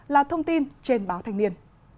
là thông tin trên báo thanh niên